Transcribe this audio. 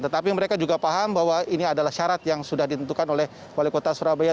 tetapi mereka juga paham bahwa ini adalah ujian yang diperlukan untuk menghasilkan ujian yang diperlukan